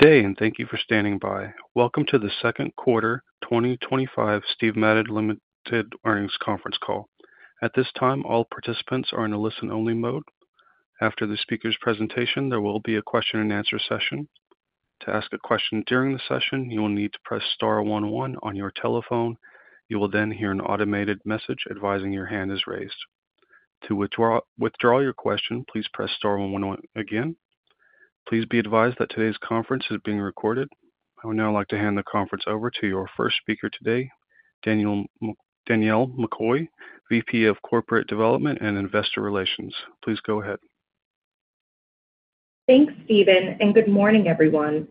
Good day, and thank you for standing by. Welcome to the second quarter 2025 Steve Madden Ltd earnings conference call. At this time, all participants are in a listen-only mode. After the speaker's presentation, there will be a question and answer session. To ask a question during the session, you will need to press star one one on your telephone. You will then hear an automated message advising your hand is raised. To withdraw your question, please press star one one again. Please be advised that today's conference is being recorded. I would now like to hand the conference over to our first speaker today, Danielle McCoy, VP of Corporate Development and Investor Relations. Please go ahead. Thanks, Steven, and good morning, everyone.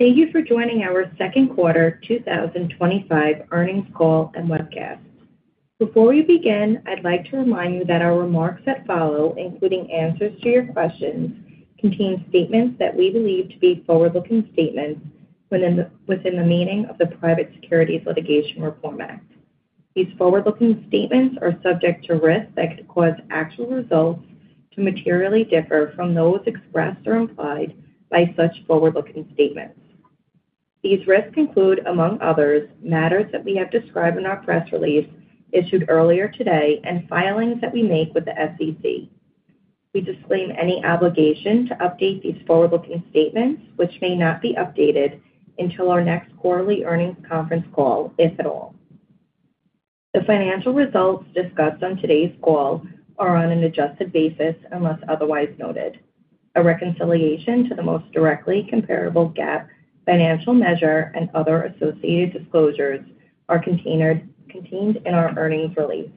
Thank you for joining our second quarter 2025 earnings call and webcast. Before we begin, I'd like to remind you that our remarks that follow, including answers to your questions, contain statements that we believe to be forward-looking statements within the meaning of the Private Securities Litigation Reform Act. These forward-looking statements are subject to risks that could cause actual results to materially differ from those expressed or implied by such forward-looking statements. These risks include, among others, matters that we have described in our press release issued earlier today and filings that we make with the SEC. We disclaim any obligation to update these forward-looking statements, which may not be updated until our next quarterly earnings conference call, if at all. The financial results discussed on today's call are on an adjusted basis unless otherwise noted. A reconciliation to the most directly comparable GAAP financial measure and other associated disclosures are contained in our earnings release.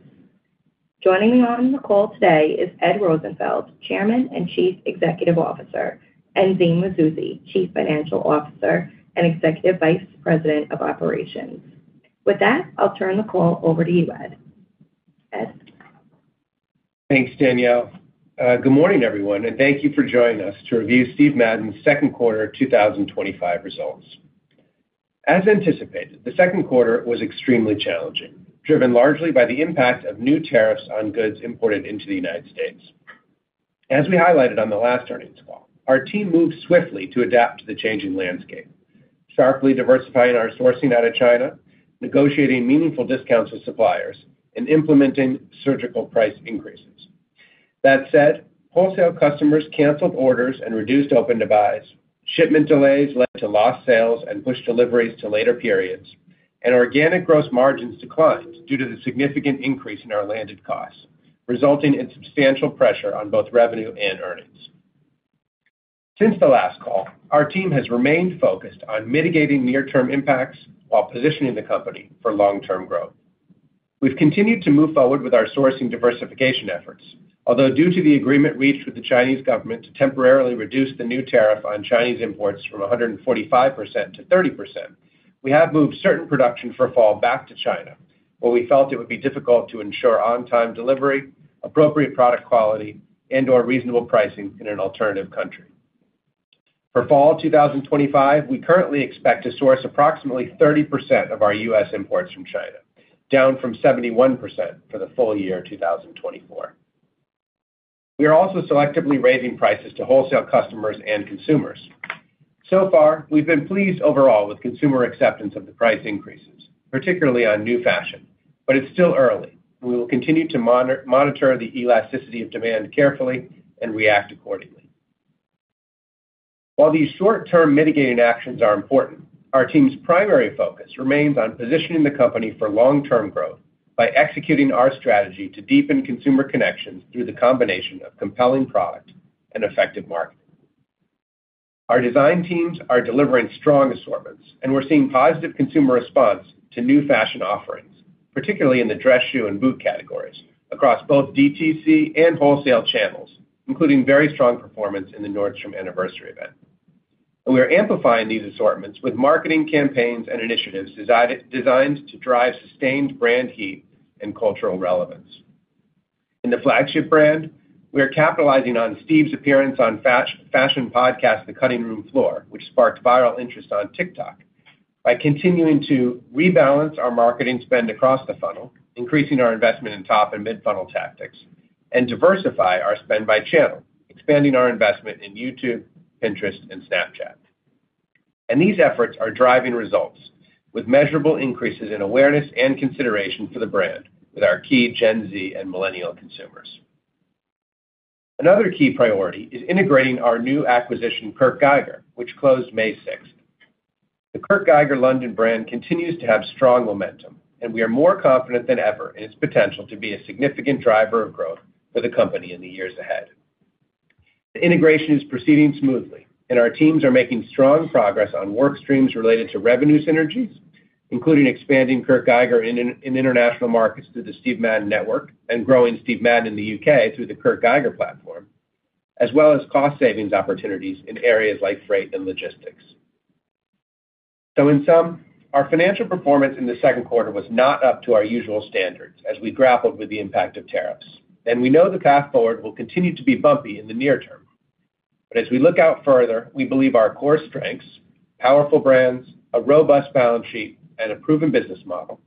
Joining me on the call today is Ed Rosenfeld, Chairman and Chief Executive Officer, and Zine Mazouzi, Chief Financial Officer and Executive Vice President of Operations. With that, I'll turn the call over to you, Ed. Thanks, Danielle. Good morning, everyone, and thank you for joining us to review Steve Madden's second quarter 2025 results. As anticipated, the second quarter was extremely challenging, driven largely by the impact of new tariffs on goods imported into the United States. As we highlighted on the last earnings call, our team moved swiftly to adapt to the changing landscape, sharply diversifying our sourcing out of China, negotiating meaningful discounts with suppliers, and implementing surgical price increases. That said, wholesale customers canceled orders and reduced open to buy. Shipment delays led to lost sales and pushed deliveries to later periods, and organic gross margins declined due to the significant increase in our landed costs, resulting in substantial pressure on both revenue and earnings. Since the last call, our team has remained focused on mitigating near-term impacts while positioning the company for long-term growth. We've continued to move forward with our sourcing diversification efforts, although due to the agreement reached with the Chinese government to temporarily reduce the new tariff on Chinese imports from 145% to 30%, we have moved certain production for fall back to China, where we felt it would be difficult to ensure on-time delivery, appropriate product quality, and/or reasonable pricing in an alternative country. For fall 2025, we currently expect to source approximately 30% of our U.S. imports from China, down from 71% for the full year 2024. We are also selectively raising prices to wholesale customers and consumers. So far, we've been pleased overall with consumer acceptance of the price increases, particularly on new fashion, but it's still early, and we will continue to monitor the elasticity of demand carefully and react accordingly. While these short-term mitigating actions are important, our team's primary focus remains on positioning the company for long-term growth by executing our strategy to deepen consumer connections through the combination of compelling product and effective marketing. Our design teams are delivering strong assortments, and we're seeing positive consumer response to new fashion offerings, particularly in the dress, shoe, and boot categories across both DTC and wholesale channels, including very strong performance in the Nordstrom anniversary event. We are amplifying these assortments with marketing campaigns and initiatives designed to drive sustained brand heat and cultural relevance. In the flagship brand, we are capitalizing on Steve's appearance on fashion podcast, The Cutting Room Floor, which sparked viral interest on TikTok. By continuing to rebalance our marketing spend across the funnel, increasing our investment in top and mid-funnel tactics, and diversifying our spend by channel, expanding our investment in YouTube, Pinterest, and Snapchat, these efforts are driving results with measurable increases in awareness and consideration for the brand with our key Gen Z and Millennial consumers. Another key priority is integrating our new acquisition, Kurt Geiger, which closed May 6th. The Kurt Geiger London brand continues to have strong momentum, and we are more confident than ever in its potential to be a significant driver of growth for the company in the years ahead. The integration is proceeding smoothly, and our teams are making strong progress on work streams related to revenue synergies, including expanding Kurt Geiger in international markets through the Steve Madden network and growing Steve Madden in the U.K. through the Kurt Geiger platform, as well as cost savings opportunities in areas like freight and logistics. In sum, our financial performance in the second quarter was not up to our usual standards as we grappled with the impact of tariffs, and we know the path forward will continue to be bumpy in the near term. As we look out further, we believe our core strengths, powerful brands, a robust balance sheet, and a proven business model,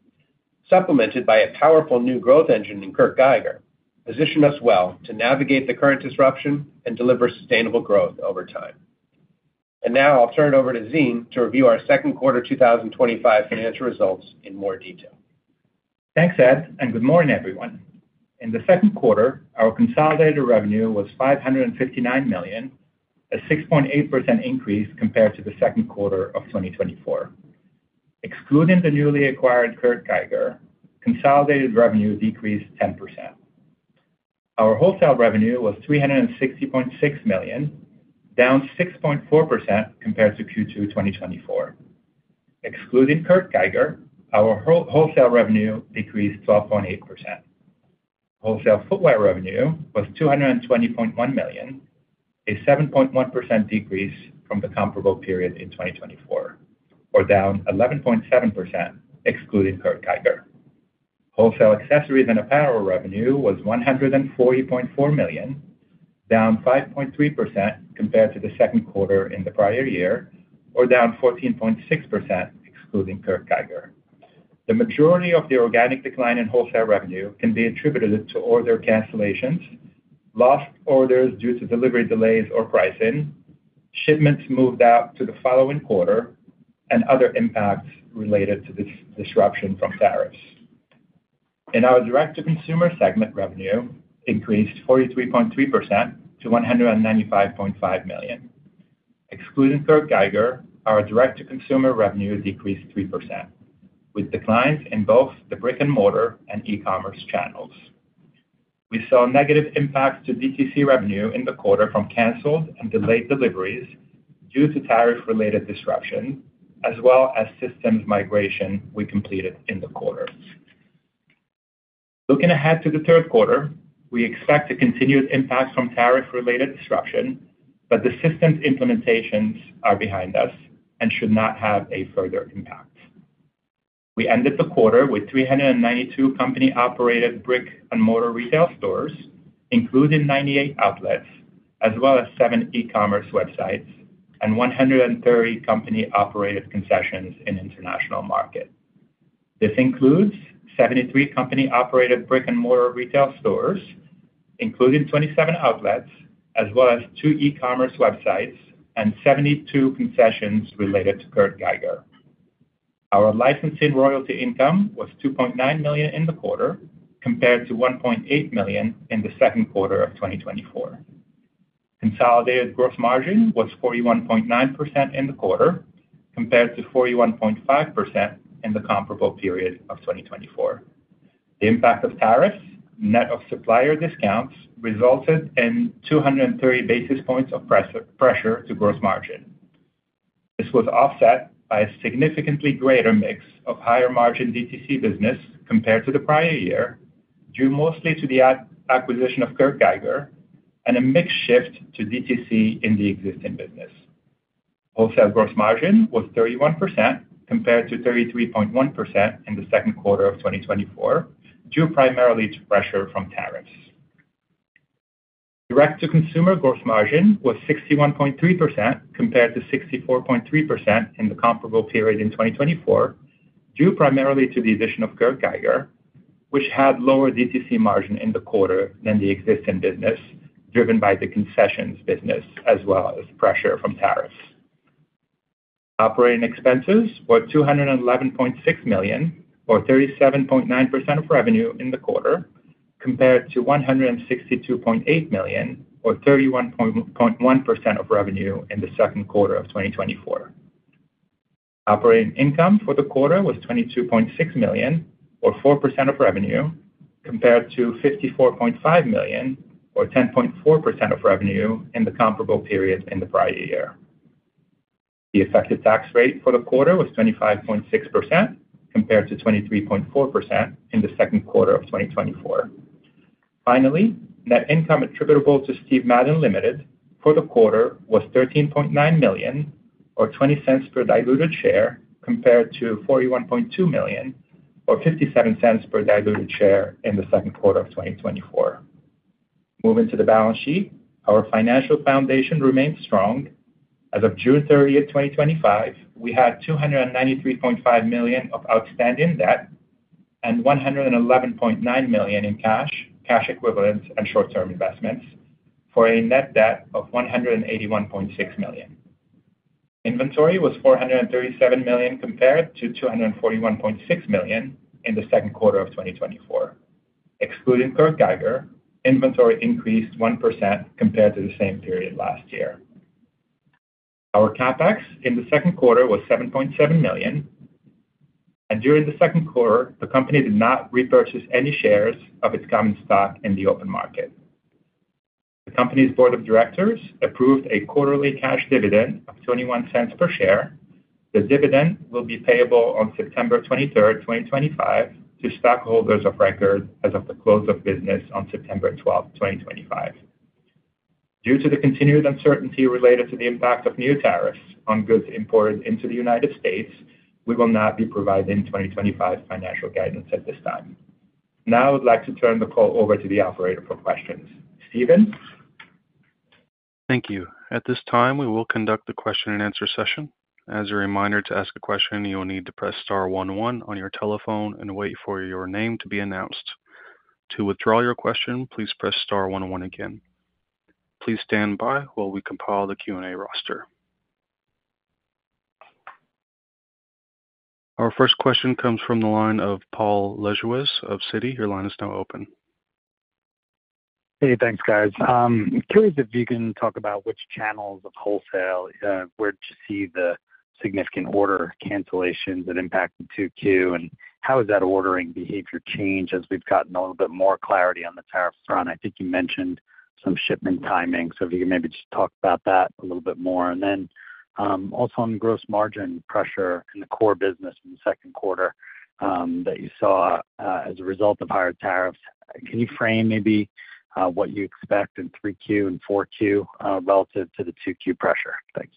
supplemented by a powerful new growth engine in Kurt Geiger, position us well to navigate the current disruption and deliver sustainable growth over time. Now I'll turn it over to Zine to review our second quarter 2025 financial results in more detail. Thanks, Ed, and good morning, everyone. In the second quarter, our consolidated revenue was $559 million, a 6.8% increase compared to the second quarter of 2024. Excluding the newly acquired Kurt Geiger, consolidated revenue decreased 10%. Our wholesale revenue was $360.6 million, down 6.4% compared to Q2 2024. Excluding Kurt Geiger, our wholesale revenue decreased 12.8%. Wholesale footwear revenue was $220.1 million, a 7.1% decrease from the comparable period in 2024, or down 11.7% excluding Kurt Geiger. Wholesale accessories and apparel revenue was $140.4 million, down 5.3% compared to the second quarter in the prior year, or down 14.6% excluding Kurt Geiger. The majority of the organic decline in wholesale revenue can be attributed to order cancellations, lost orders due to delivery delays or pricing, shipments moved out to the following quarter, and other impacts related to this disruption from tariffs. In our direct-to-consumer segment, revenue increased 43.3% to $195.5 million. Excluding Kurt Geiger, our direct-to-consumer revenue decreased 3%, with declines in both the brick-and-mortar and e-commerce channels. We saw negative impacts to DTC revenue in the quarter from canceled and delayed deliveries due to tariff-related disruptions, as well as systems migration we completed in the quarter. Looking ahead to the third quarter, we expect a continued impact from tariff-related disruption, but the systems implementations are behind us and should not have a further impact. We ended the quarter with 392 company-operated brick-and-mortar retail stores, including 98 outlets, as well as seven e-commerce websites, and 130 company-operated concessions in the international market. This includes 73 company-operated brick-and-mortar retail stores, including 27 outlets, as well as two e-commerce websites, and 72 concessions related to Kurt Geiger. Our licensing royalty income was $2.9 million in the quarter compared to $1.8 million in the second quarter of 2024. Consolidated gross margin was 41.9% in the quarter compared to 41.5% in the comparable period of 2024. The impact of tariffs, net of supplier discounts, resulted in 230 basis points of pressure to gross margin. This was offset by a significantly greater mix of higher margin DTC business compared to the prior year, due mostly to the acquisition of Kurt Geiger, and a mix shift to DTC in the existing business. Wholesale gross margin was 31% compared to 33.1% in the second quarter of 2024, due primarily to pressure from tariffs. Direct-to-consumer gross margin was 61.3% compared to 64.3% in the comparable period in 2024, due primarily to the addition of Kurt Geiger, which had lower DTC margin in the quarter than the existing business, driven by the concessions business as well as pressure from tariffs. Operating expenses were $211.6 million, or 37.9% of revenue in the quarter, compared to $162.8 million, or 31.1% of revenue in the second quarter of 2024. Operating income for the quarter was $22.6 million, or 4% of revenue, compared to $54.5 million, or 10.4% of revenue in the comparable period in the prior year. The effective tax rate for the quarter was 25.6% compared to 23.4% in the second quarter of 2024. Finally, net income attributable to Steve Madden Ltd for the quarter was $13.9 million, or $0.20 per diluted share, compared to $41.2 million, or $0.57 per diluted share in the second quarter of 2024. Moving to the balance sheet, our financial foundation remains strong. As of June 30th, 2025, we had $293.5 million of outstanding debt and $111.9 million in cash, cash equivalents, and short-term investments for a net debt of $181.6 million. Inventory was $437 million compared to $241.6 million in the second quarter of 2024. Excluding Kurt Geiger, inventory increased 1% compared to the same period last year. Our CapEx in the second quarter was $7.7 million, and during the second quarter, the company did not repurchase any shares of its common stock in the open market. The company's board of directors approved a quarterly cash dividend of $0.21 per share. The dividend will be payable on September 23rd, 2025, to stockholders of record as of the close of business on September 12th, 2025. Due to the continued uncertainty related to the impact of new tariffs on goods imported into the United States, we will not be providing 2025 financial guidance at this time. Now I would like to turn the call over to the operator for questions. Steven? Thank you. At this time, we will conduct the question and answer session. As a reminder, to ask a question, you will need to press star one one on your telephone and wait for your name to be announced. To withdraw your question, please press star one one again. Please stand by while we compile the Q&A roster. Our first question comes from the line of Paul Lejuez of Citi, your line is now open. Hey, thanks, guys. I'm curious if you can talk about which channels of wholesale, where did you see the significant order cancellations that impacted 2Q, and how has that ordering behavior changed as we've gotten a little bit more clarity on the tariff front? I think you mentioned some shipment timing, so if you can maybe just talk about that a little bit more. Also, on gross margin pressure in the core business in the second quarter that you saw as a result of higher tariffs, can you frame maybe what you expect in 3Q and 4Q, relative to the 2Q pressure? Thanks.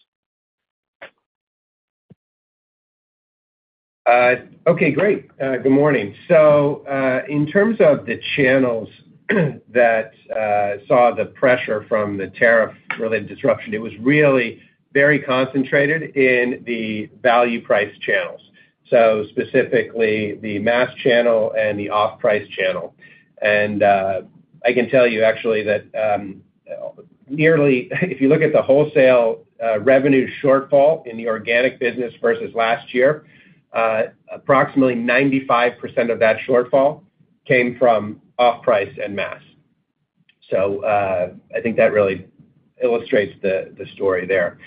Okay, great. Good morning. In terms of the channels that saw the pressure from the tariff-related disruption, it was really very concentrated in the value price channels, specifically the mass channel and the off-price channel. I can tell you actually that, nearly, if you look at the wholesale revenue shortfall in the organic business versus last year, approximately 95% of that shortfall came from off-price and mass. I think that really illustrates the story there.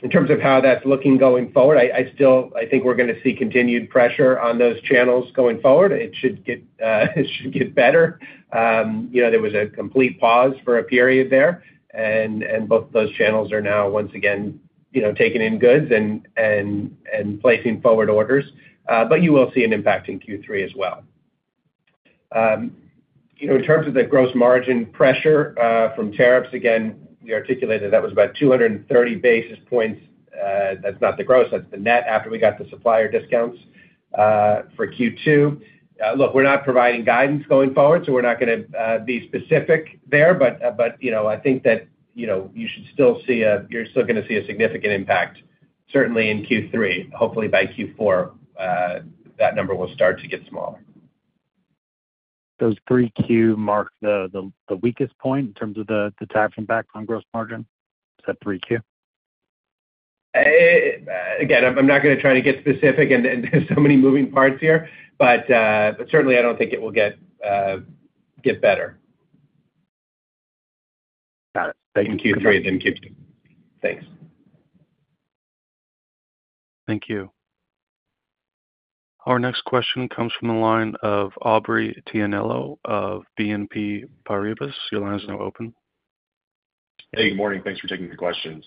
In terms of how that's looking going forward, I still think we're going to see continued pressure on those channels going forward. It should get better. You know, there was a complete pause for a period there, and both of those channels are now once again taking in goods and placing forward orders. You will see an impact in Q3 as well. In terms of the gross margin pressure from tariffs, again, we articulated that was about 230 basis points. That's not the gross, that's the net after we got the supplier discounts for Q2. Look, we're not providing guidance going forward, so we're not going to be specific there, but you know, I think that you should still see a, you're still going to see a significant impact, certainly in Q3. Hopefully by Q4, that number will start to get smaller. Does 3Q mark the weakest point in terms of the tariff impact on gross margin? Is that 3Q? I'm not going to try to get specific, and there are so many moving parts here, but certainly I don't think it will get better. Got it. Thank you. Between Q3 and Q2. Thanks. Thank you. Our next question comes from the line of Aubrey Tianello of BNP Paribas. Your line is now open. Hey, good morning. Thanks for taking the questions.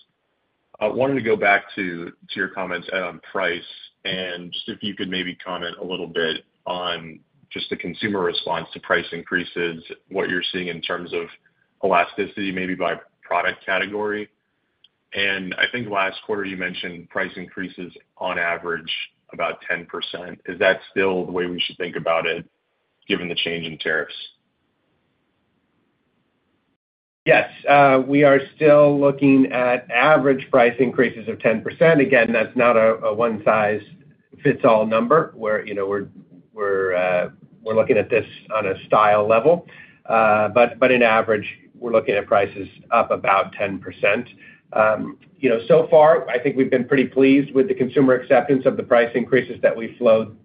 I wanted to go back to your comments on price and just if you could maybe comment a little bit on just the consumer response to price increases, what you're seeing in terms of elasticity, maybe by product category. I think last quarter you mentioned price increases on average about 10%. Is that still the way we should think about it given the change in tariffs? Yes, we are still looking at average price increases of 10%. Again, that's not a one-size-fits-all number. We're looking at this on a style level, but on average, we're looking at prices up about 10%. You know, so far, I think we've been pretty pleased with the consumer acceptance of the price increases that we flowed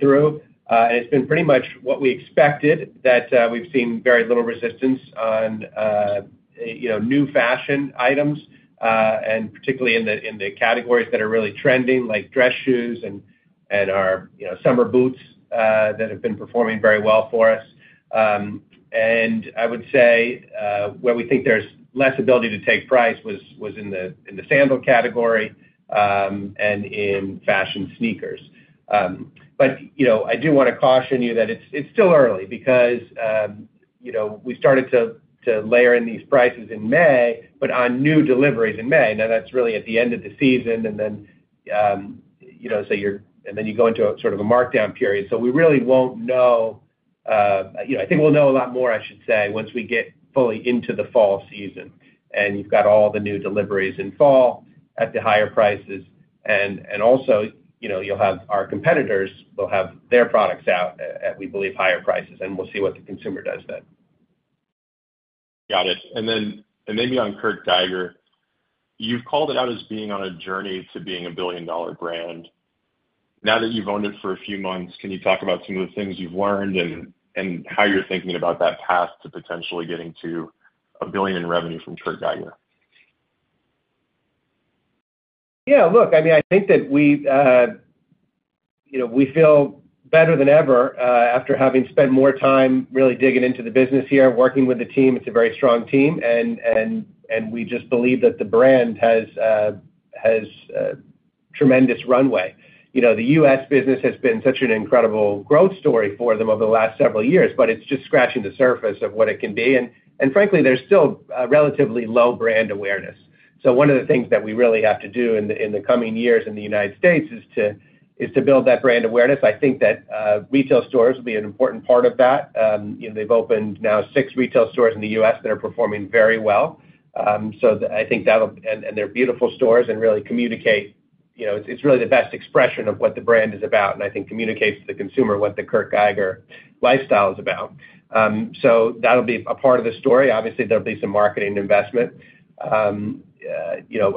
through. It's been pretty much what we expected, that we've seen very little resistance on new fashion items, particularly in the categories that are really trending, like dress shoes and our summer boots that have been performing very well for us. I would say where we think there's less ability to take price was in the sandal category and in fashion sneakers. I do want to caution you that it's still early because we started to layer in these prices in May, but on new deliveries in May. Now that's really at the end of the season, and then you go into a sort of a markdown period. We really won't know, I think we'll know a lot more, I should say, once we get fully into the fall season. You've got all the new deliveries in fall at the higher prices. Also, you'll have our competitors with their products out at, we believe, higher prices. We'll see what the consumer does then. Got it. Maybe on Kurt Geiger, you've called it out as being on a journey to being a billion-dollar brand. Now that you've owned it for a few months, can you talk about some of the things you've learned and how you're thinking about that path to potentially getting to a billion in revenue from Kurt Geiger? Yeah, look, I mean, I think that we feel better than ever after having spent more time really digging into the business here, working with the team. It's a very strong team. We just believe that the brand has tremendous runway. You know, the U.S. business has been such an incredible growth story for them over the last several years, but it's just scratching the surface of what it can be. Frankly, there's still relatively low brand awareness. One of the things that we really have to do in the coming years in the United States is to build that brand awareness. I think that retail stores will be an important part of that. They've opened now six retail stores in the U.S. that are performing very well. I think that'll, and they're beautiful stores and really communicate, you know, it's really the best expression of what the brand is about. I think communicates to the consumer what the Kurt Geiger lifestyle is about. That'll be a part of the story. Obviously, there'll be some marketing investment. I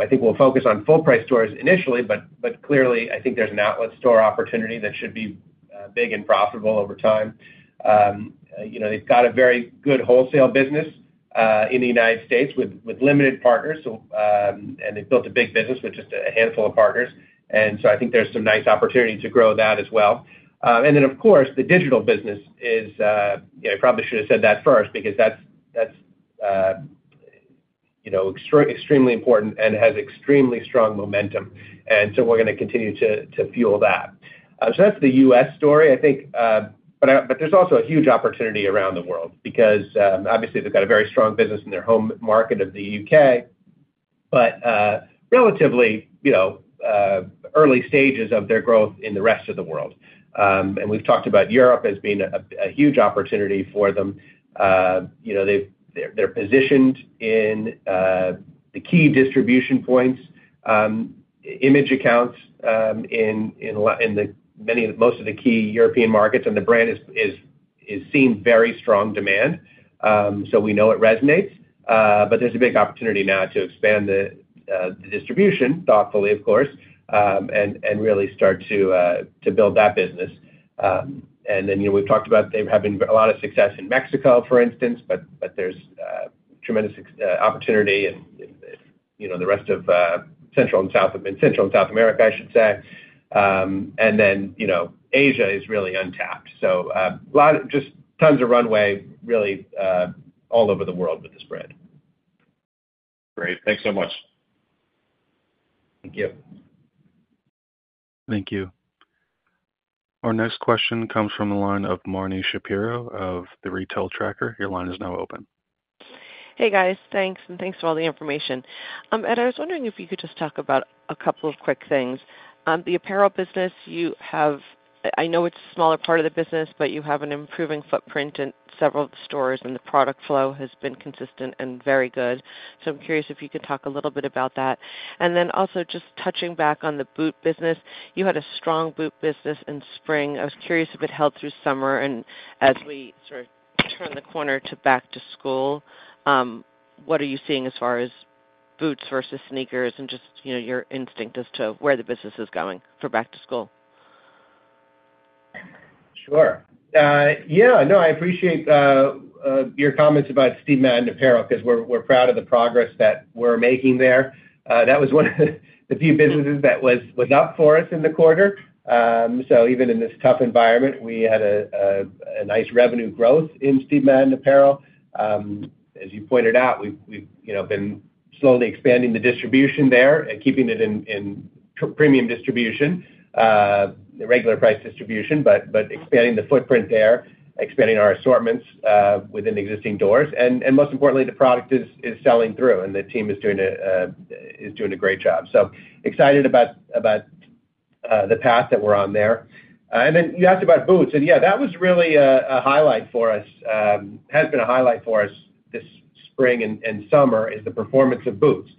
think we'll focus on full-price stores initially, but clearly, I think there's an outlet store opportunity that should be big and profitable over time. They've got a very good wholesale business in the United States with limited partners. They built a big business with just a handful of partners. I think there's some nice opportunity to grow that as well. Of course, the digital business is, you know, I probably should have said that first because that's, you know, extremely important and has extremely strong momentum. We're going to continue to fuel that. That's the U.S. story, I think. There's also a huge opportunity around the world because obviously they've got a very strong business in their home market of the U.K., but relatively, you know, early stages of their growth in the rest of the world. We've talked about Europe as being a huge opportunity for them. They're positioned in the key distribution points, image accounts in most of the key European markets, and the brand is seeing very strong demand. We know it resonates. There's a big opportunity now to expand the distribution thoughtfully, of course, and really start to build that business. We've talked about they're having a lot of success in Mexico, for instance, but there's tremendous opportunity in the rest of Central and South America, I should say. Asia is really untapped. A lot of just tons of runway really all over the world with the spread. Great, thanks so much. Thank you. Thank you. Our next question comes from the line of Marni Shapiro of The Retail Tracker. Your line is now open. Hey, guys. Thanks, and thanks for all the information. Ed, I was wondering if you could just talk about a couple of quick things. The apparel business, you have, I know it's a smaller part of the business, but you have an improving footprint in several of the stores, and the product flow has been consistent and very good. I'm curious if you could talk a little bit about that. Also, just touching back on the boot business, you had a strong boot business in spring. I was curious if it held through summer. As we sort of turn the corner to back to school, what are you seeing as far as boots versus sneakers and just, you know, your instinct as to where the business is going for back to school? Sure. Yeah, no, I appreciate your comments about Steve Madden Apparel because we're proud of the progress that we're making there. That was one of the few businesses that was up for us in the quarter. Even in this tough environment, we had a nice revenue growth in Steve Madden Apparel. As you pointed out, we've been slowly expanding the distribution there and keeping it in premium distribution, the regular price distribution, but expanding the footprint there, expanding our assortments within existing doors. Most importantly, the product is selling through, and the team is doing a great job. Excited about the path that we're on there. You asked about boots, and yeah, that was really a highlight for us. It has been a highlight for us this spring and summer, the performance of boots.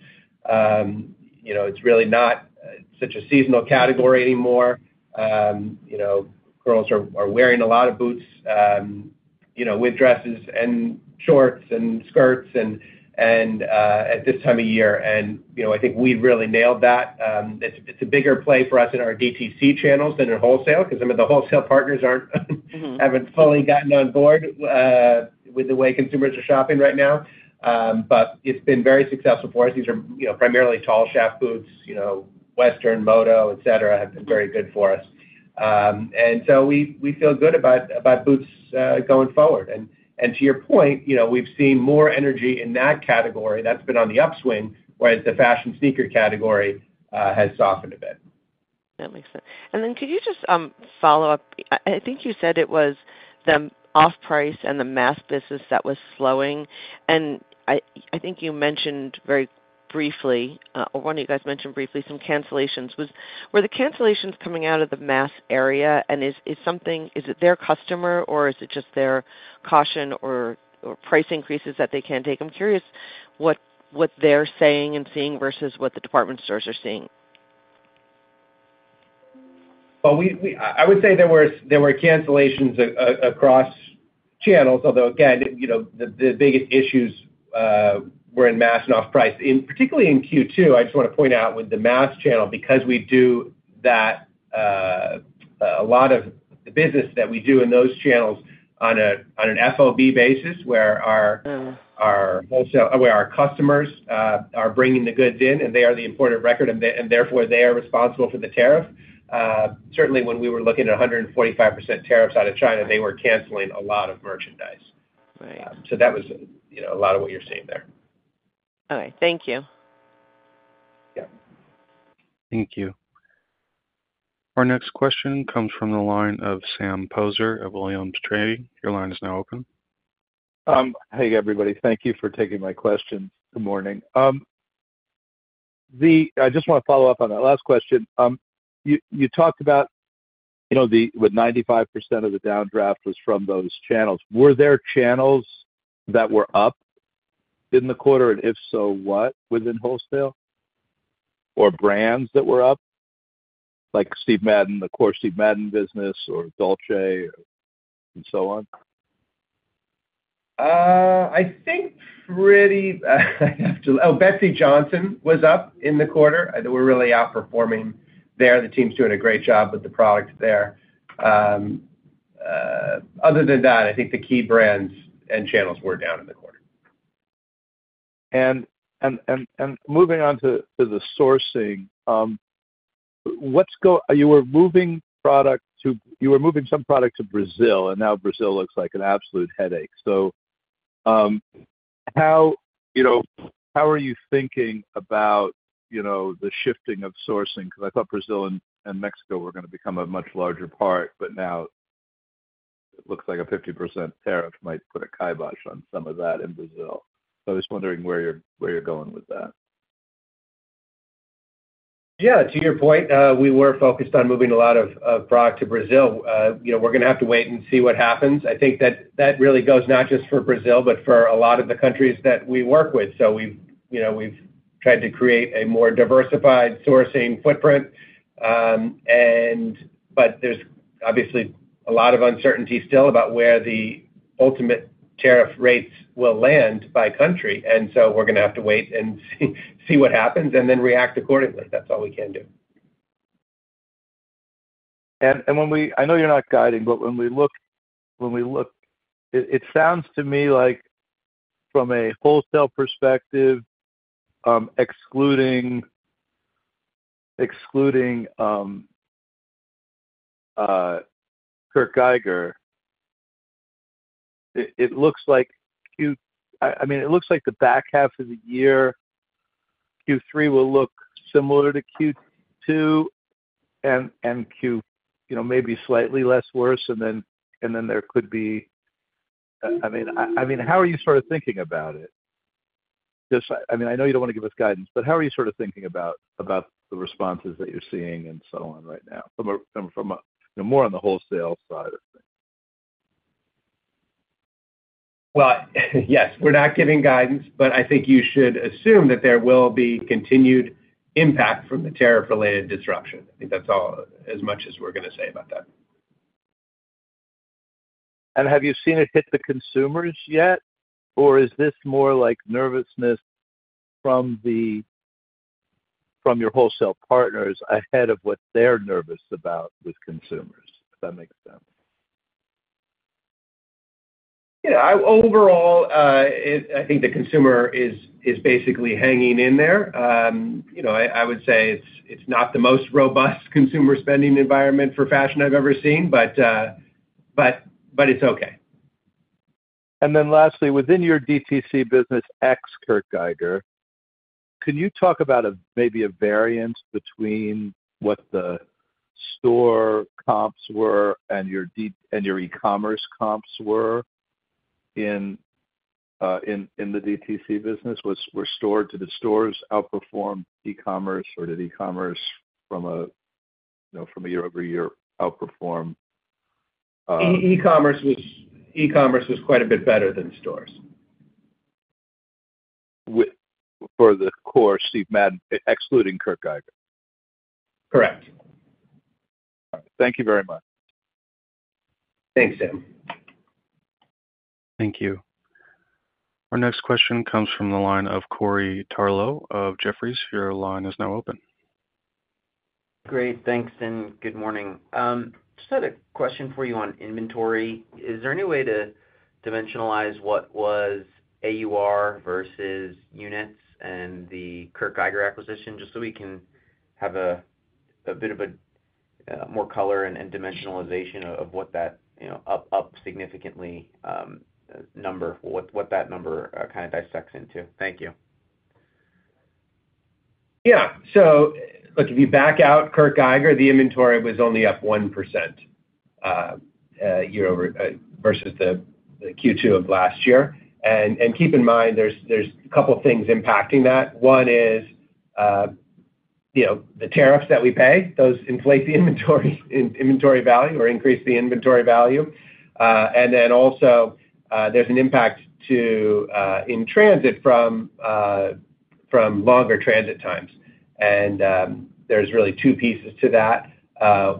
It's really not such a seasonal category anymore. Girls are wearing a lot of boots with dresses and shorts and skirts at this time of year. I think we really nailed that. It's a bigger play for us in our DTC channels than in wholesale because some of the wholesale partners haven't fully gotten on board with the way consumers are shopping right now. It's been very successful for us. These are primarily tall shaft boots, Western, Moto, etc., have been very good for us. We feel good about boots going forward. To your point, we've seen more energy in that category that's been on the upswing, whereas the fashion sneaker category has softened a bit. That makes sense. Could you just follow up? I think you said it was the off-price and the mass business that was slowing. I think you mentioned very briefly, or one of you guys mentioned briefly, some cancellations. Were the cancellations coming out of the mass area? Is it their customer, or is it just their caution or price increases that they can't take? I'm curious what they're saying and seeing versus what the department stores are seeing. There were cancellations across channels, although again, the biggest issues were in mass and off-price. Particularly in Q2, I just want to point out with the mass channel, because we do a lot of the business that we do in those channels on an FOB basis, where our customers are bringing the goods in, and they are the importer of record, and therefore they are responsible for the tariff. Certainly, when we were looking at 145% tariffs out of China, they were canceling a lot of merchandise. That was a lot of what you're seeing there. All right. Thank you. Yeah. Thank you. Our next question comes from the line of Sam Poser of Williams Trading. Your line is now open. Hey, everybody. Thank you for taking my questions. Good morning. I just want to follow up on that last question. You talked about, you know, with 95% of the down draft was from those channels. Were there channels that were up in the quarter? If so, what within wholesale? Or brands that were up, like Steve Madden, the core Steve Madden business, or Dolce, and so on? I think, I'd have to, oh, Betsey Johnson was up in the quarter. They were really outperforming there. The team's doing a great job with the product there. Other than that, I think the key brands and channels were down in the quarter. Moving on to the sourcing, you were moving product to, you were moving some product to Brazil, and now Brazil looks like an absolute headache. How are you thinking about the shifting of sourcing? I thought Brazil and Mexico were going to become a much larger part, but now it looks like a 50% tariff might put a kibosh on some of that in Brazil. I was wondering where you're going with that. Yeah, to your point, we were focused on moving a lot of product to Brazil. We're going to have to wait and see what happens. I think that really goes not just for Brazil, but for a lot of the countries that we work with. We've tried to create a more diversified sourcing footprint, but there's obviously a lot of uncertainty still about where the ultimate tariff rates will land by country. We're going to have to wait and see what happens and then react accordingly. That's all we can do. When we look, it sounds to me like from a wholesale perspective, excluding Kurt Geiger, it looks like the back half of the year, Q3 will look similar to Q2 and maybe slightly less worse. How are you sort of thinking about it? I know you don't want to give us guidance, but how are you sort of thinking about the responses that you're seeing and so on right now from a more wholesale side of things? We're not giving guidance, but I think you should assume that there will be continued impact from the tariff-related disruption. I think that's all as much as we're going to say about that. Have you seen it hit the consumers yet, or is this more like nervousness from your wholesale partners ahead of what they're nervous about with consumers, if that makes sense? Yeah, overall, I think the consumer is basically hanging in there. I would say it's not the most robust consumer spending environment for fashion I've ever seen, but it's okay. Lastly, within your DTC business ex-Kurt Geiger, can you talk about maybe a variance between what the store comps were and your e-commerce comps were in the DTC business? Did the stores outperform e-commerce, or did e-commerce from a year-over-year outperform? E-commerce was quite a bit better than stores. For the core Steve Madden, excluding Kurt Geiger. Correct. All right, thank you very much. Thanks, Sam. Thank you. Our next question comes from the line of Corey Tarlowe of Jefferies. Your line is now open. Great. Thanks, and good morning. I just had a question for you on inventory. Is there any way to dimensionalize what was AUR versus units and the Kurt Geiger acquisition, just so we can have a bit of a more color and dimensionalization of what that, you know, up significantly, number, what that number kind of dissects into? Thank you. Yeah. Look, if you back out Kurt Geiger, the inventory was only up 1% year-over-year versus Q2 of last year. Keep in mind, there's a couple of things impacting that. One is, you know, the tariffs that we pay, those inflate the inventory value or increase the inventory value. There's also an impact to in transit from longer transit times. There are really two pieces to that.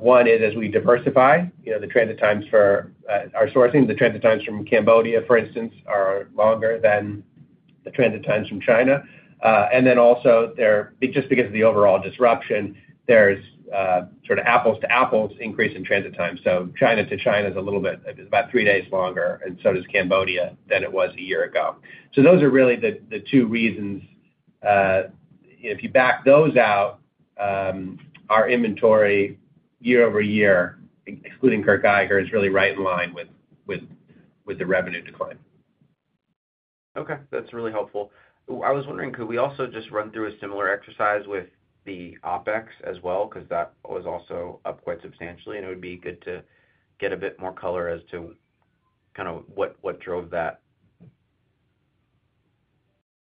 One is, as we diversify, the transit times for our sourcing, the transit times from Cambodia, for instance, are longer than the transit times from China. Also, just because of the overall disruption, there's sort of apples-to-apples increase in transit times. China to China is a little bit, about three days longer, and so does Cambodia than it was a year ago. Those are really the two reasons. If you back those out, our inventory year-over-year, excluding Kurt Geiger, is really right in line with the revenue decline. Okay, that's really helpful. I was wondering, could we also just run through a similar exercise with the OpEx as well, because that was also up quite substantially, and it would be good to get a bit more color as to kind of what drove that.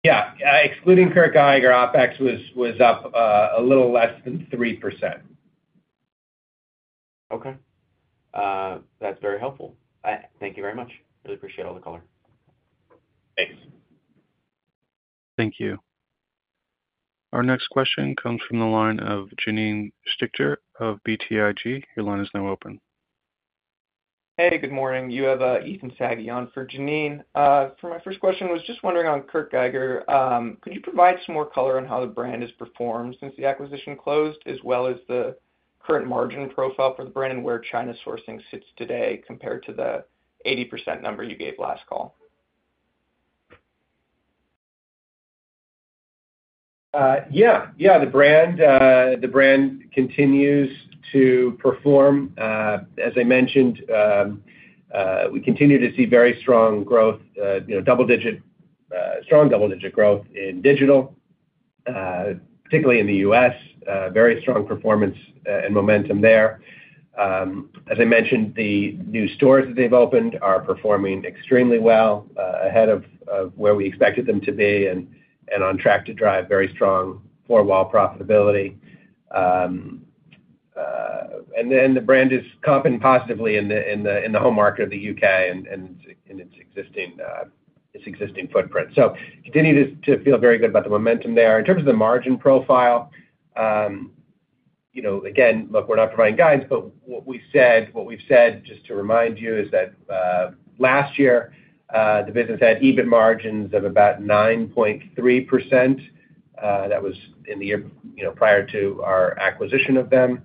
Yeah. Excluding Kurt Geiger, OpEx was up a little less than 3%. Okay. That's very helpful. Thank you very much. Really appreciate all the color. Thanks. Thank you. Our next question comes from the line of Janine Stichter of BTIG. Your line is now open. Hey, good morning. You have Ethan Saghi on for Janine. For my first question, I was just wondering on Kurt Geiger, could you provide some more color on how the brand has performed since the acquisition closed, as well as the current margin profile for the brand and where China sourcing sits today compared to the 80% number you gave last call? Yeah. Yeah. The brand continues to perform. As I mentioned, we continue to see very strong growth, you know, double-digit, strong double-digit growth in digital, particularly in the U.S., very strong performance and momentum there. As I mentioned, the new stores that they've opened are performing extremely well, ahead of where we expected them to be, and on track to drive very strong four-wall profitability. The brand has compounded positively in the home market of the U.K. and its existing footprint. Continue to feel very good about the momentum there. In terms of the margin profile, you know, again, look, we're not providing guidance, but what we said, what we've said, just to remind you, is that last year, the business had EBIT margins of about 9.3%. That was in the year, you know, prior to our acquisition of them.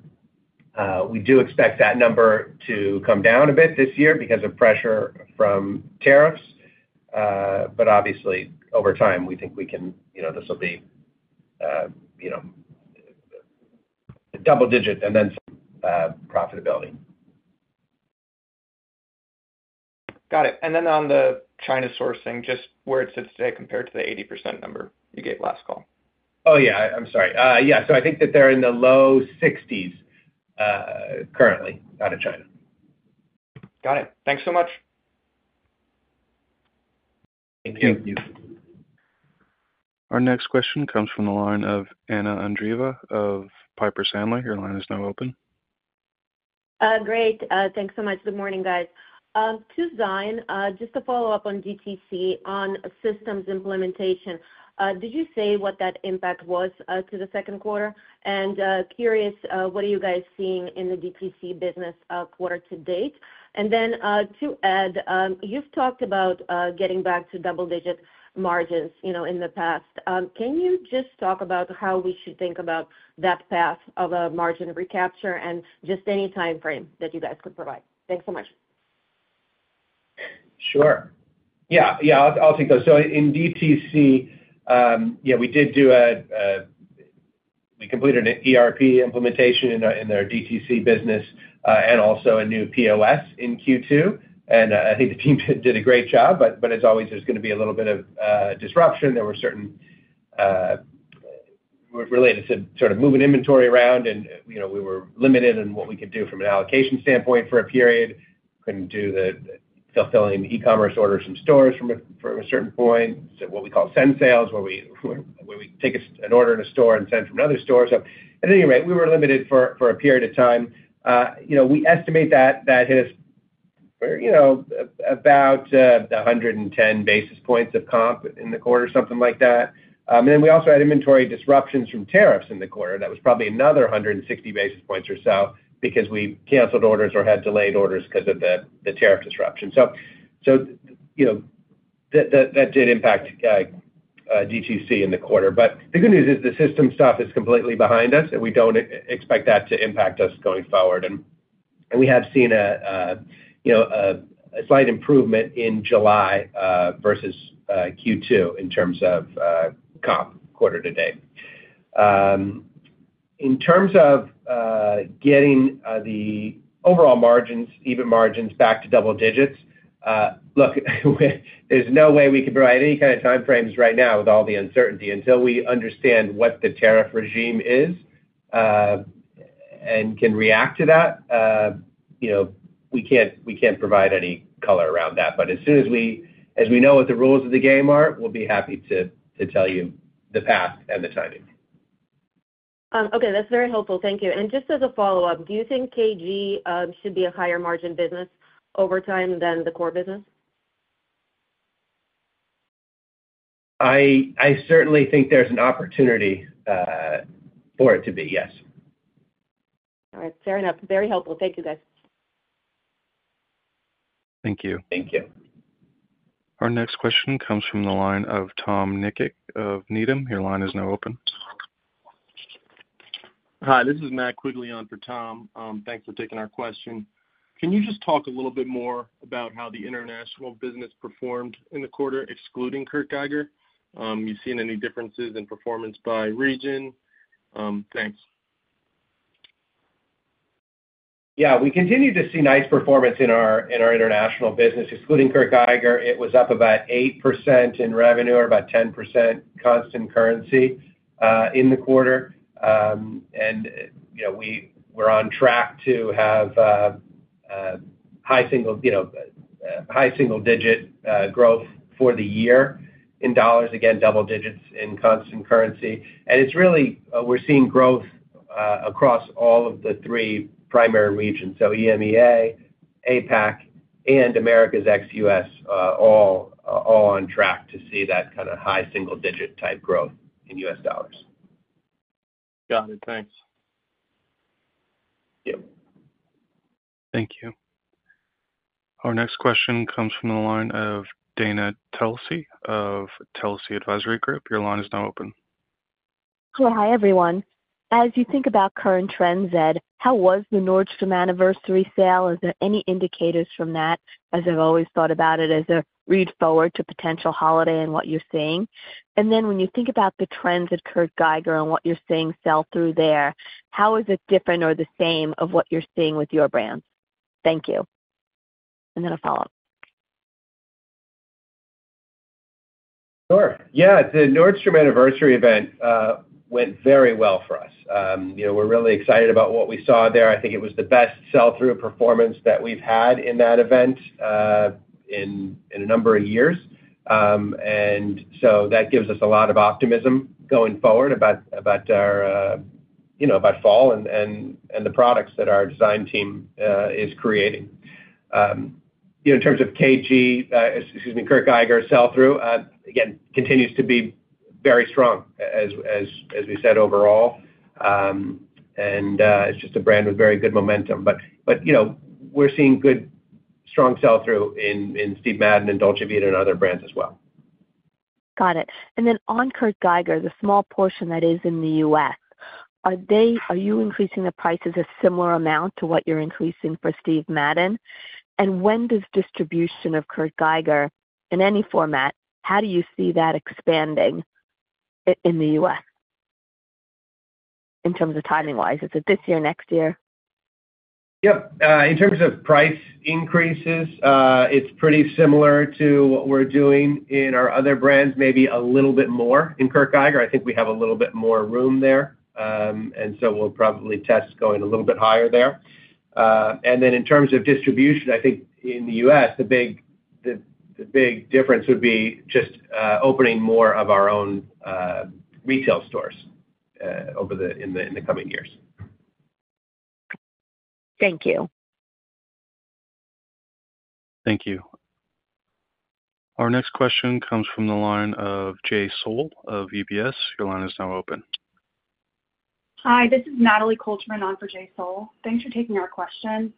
We do expect that number to come down a bit this year because of pressure from tariffs. Obviously, over time, we think we can, you know, this will be, you know, double-digit and then some profitability. Got it. On the China sourcing, just where it sits today compared to the 80% number you gave last call. Oh, yeah. I'm sorry. I think that they're in the low 60% currently out of China. Got it. Thanks so much. Thank you. Thank you. Our next question comes from the line of Anna Andreeva of Piper Sandler. Your line is now open. Great. Thanks so much. Good morning, guys. To Zine, just to follow up on DTC on systems implementation, did you say what that impact was to the second quarter? Curious, what are you guys seeing in the DTC business quarter to date? You’ve talked about getting back to double-digit margins in the past. Can you just talk about how we should think about that path of a margin recapture and any timeframe that you guys could provide? Thanks so much. Sure. I'll take those. In DTC, we did do a, we completed an ERP implementation in their DTC business and also a new POS in Q2. I think the team did a great job, but as always, there's going to be a little bit of disruption. There were certain issues related to sort of moving inventory around, and we were limited in what we could do from an allocation standpoint for a period. We couldn't do the fulfilling e-commerce orders from stores from a certain point, what we call send sales, where we take an order in a store and send from another store. At any rate, we were limited for a period of time. We estimate that hit us about 110 basis points of comp in the quarter, something like that. We also had inventory disruptions from tariffs in the quarter. That was probably another 160 basis points or so because we canceled orders or had delayed orders because of the tariff disruption. That did impact DTC in the quarter. The good news is the system stuff is completely behind us, and we don't expect that to impact us going forward. We have seen a slight improvement in July versus Q2 in terms of comp quarter to date. In terms of getting the overall margins, EBIT margins back to double digits, there's no way we could provide any kind of timeframes right now with all the uncertainty until we understand what the tariff regime is and can react to that. We can't provide any color around that. As soon as we know what the rules of the game are, we'll be happy to tell you the path and the timing. Okay. That's very helpful. Thank you. Just as a follow-up, do you think KG should be a higher margin business over time than the core business? I certainly think there's an opportunity for it to be, yes. All right. Fair enough. Very helpful. Thank you, guys. Thank you. Thank you. Our next question comes from the line of Tom Nikic of Needham. Your line is now open. Hi, this is Matt Quigley on for Tom. Thanks for taking our question. Can you just talk a little bit more about how the international business performed in the quarter, excluding Kurt Geiger? You've seen any differences in performance by region? Thanks. Yeah, we continue to see nice performance in our international business, excluding Kurt Geiger. It was up about 8% in revenue or about 10% constant currency in the quarter. You know, we're on track to have high single-digit growth for the year in dollars, again, double digits in constant currency. It's really, we're seeing growth across all of the three primary regions. EMEA, APAC, and Americas ex-U.S., all on track to see that kind of high single-digit type growth in U.S. dollars. Got it. Thanks. Yep. Thank you. Our next question comes from the line of Dana Telsey of Telsey Advisory Group. Your line is now open. Okay. Hi, everyone. As you think about current trends, Ed, how was the Nordstrom Anniversary Sale? Is there any indicators from that, as I've always thought about it as a read forward to potential holiday and what you're seeing? When you think about the trends at Kurt Geiger and what you're seeing sell through there, how is it different or the same of what you're seeing with your brands? Thank you. A follow-up. Sure. Yeah, the Nordstrom Anniversary event went very well for us. We're really excited about what we saw there. I think it was the best sell-through performance that we've had in that event in a number of years. That gives us a lot of optimism going forward about our, you know, about fall and the products that our design team is creating. In terms of KG, excuse me, Kurt Geiger sell-through, again, continues to be very strong, as we said, overall. It's just a brand with very good momentum. You know, we're seeing good, strong sell-through in Steve Madden and Dolce Vita and other brands as well. Got it. On Kurt Geiger, the small portion that is in the U.S., are you increasing the prices a similar amount to what you're increasing for Steve Madden? When does distribution of Kurt Geiger in any format, how do you see that expanding in the U.S. in terms of timing-wise? Is it this year or next year? Yep. In terms of price increases, it's pretty similar to what we're doing in our other brands, maybe a little bit more in Kurt Geiger. I think we have a little bit more room there, so we'll probably test going a little bit higher there. In terms of distribution, I think in the U.S., the big difference would be just opening more of our own retail stores in the coming years. Thank you. Thank you. Our next question comes from the line of Jay Sole of UBS. Your line is now open. Hi, this is Natalie Koltermann on for Jay Sole. Thanks for taking our question.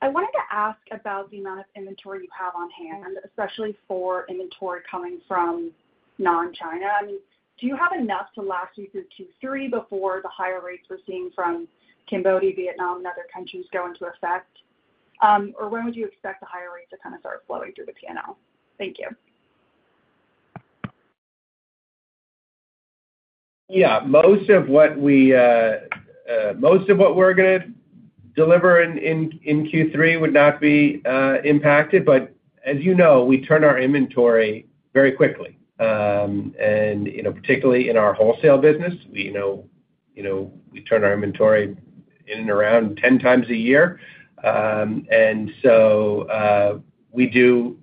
I wanted to ask about the amount of inventory you have on hand, especially for inventory coming from non-China. Do you have enough to last you through Q3 before the higher rates we're seeing from Cambodia, Vietnam, and other countries go into effect? When would you expect the higher rates to kind of start flowing through the P&L? Thank you. Yeah, most of what we're going to deliver in Q3 would not be impacted. As you know, we turn our inventory very quickly, particularly in our wholesale business. We turn our inventory in and around 10x a year, and we do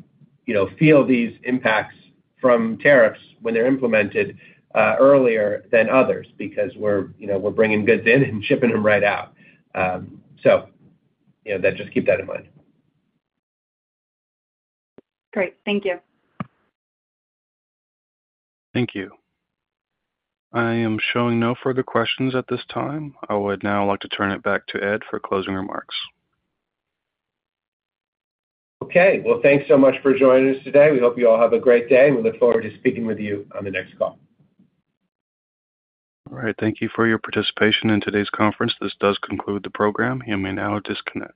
feel these impacts from tariffs when they're implemented earlier than others because we're bringing goods in and shipping them right out. Just keep that in mind. Great. Thank you. Thank you. I am showing no further questions at this time. I would now like to turn it back to Ed for closing remarks. Okay. Thank you so much for joining us today. We hope you all have a great day, and we look forward to speaking with you on the next call. All right. Thank you for your participation in today's conference. This does conclude the program. You may now disconnect.